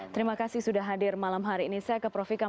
terima kasih sudah hadir malam hari ini saya ke prof ikam